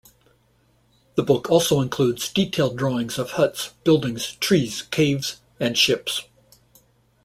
The book also includes detailed drawings of huts, buildings, trees, caves, and ships.